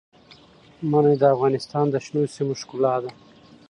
منی د افغانستان د شنو سیمو ښکلا ده.